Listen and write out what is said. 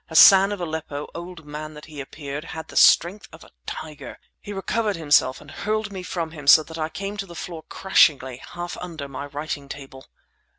Hassan of Aleppo, old man that he appeared, had the strength of a tiger. He recovered himself and hurled me from him so that I came to the floor crashingly half under my writing table!